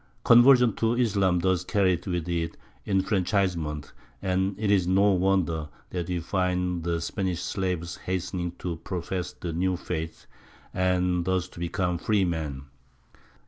Conversion to Islam thus carried with it enfranchisement, and it is no wonder that we find the Spanish slaves hastening to profess the new faith and thus to become free men.